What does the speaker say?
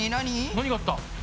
何があった？